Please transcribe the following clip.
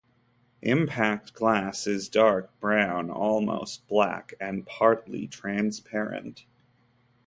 Impact glass is dark brown, almost black, and partly transparent.